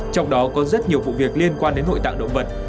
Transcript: trong đó có rất nhiều vụ việc liên quan đến nội tạng động vật